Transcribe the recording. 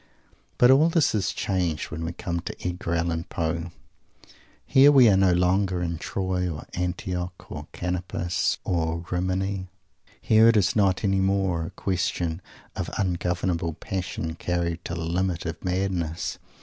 But all this is changed when we come to Edgar Allen Poe. Here we are no longer in Troy or Antioch or Canopus or Rimini. Here it is not any more a question of ungovernable passion carried to the limit of madness.